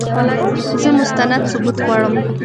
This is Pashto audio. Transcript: زه مستند ثبوت غواړم !